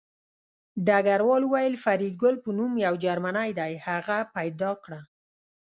ډګروال وویل فریدګل په نوم یو جرمنی دی هغه پیدا کړه